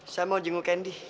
saya mau jenguk candy